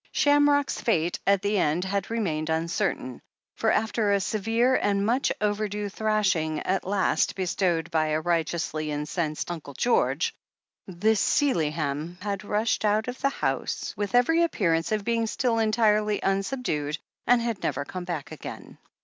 Shamrock's fate at the end had remained uncertain, for, after a severe and much overdue thrashing at last THE HEEL OF ACHILLES 361 bestowed by a righteously incensed Uncle George, the Sealyham had rushed out of the house with every appearance of being still entirely unsubdued, and had never come back again.